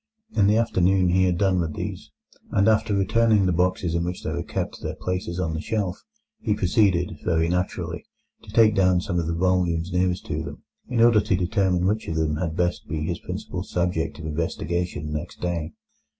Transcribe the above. In the afternoon he had done with these, and after returning the boxes in which they were kept to their places on the shelf, he proceeded, very naturally, to take down some of the volumes nearest to them, in order to determine which of them had best be his principal subject of investigation next day.